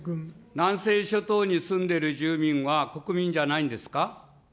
南西諸島に住んでいる住民は、国民じゃないんですか。